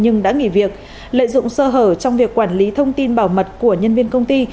nhưng đã nghỉ việc lợi dụng sơ hở trong việc quản lý thông tin bảo mật của nhân viên công ty